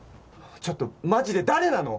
ちょっとマジで誰なの？